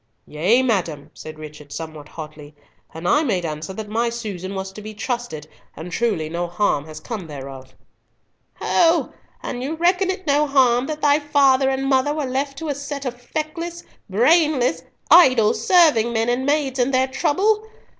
"Yea, madam," said Richard, somewhat hotly, "and I made answer that my Susan was to be trusted, and truly no harm has come thereof." "Ho! and you reckon it no harm that thy father and mother were left to a set of feckless, brainless, idle serving men and maids in their trouble?